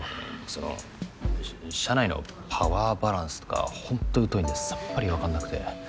その社内のパワーバランスとかほんと疎いんでさっぱりわかんなくて。